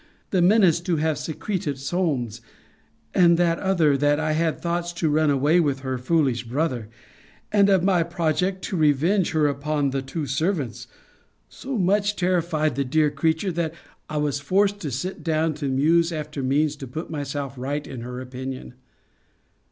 The menace to have secreted Solmes, and that other, that I had thoughts to run away with her foolish brother, and of my project to revenge her upon the two servants, so much terrified the dear creature, that I was forced to sit down to muse after means to put myself right in her opinion.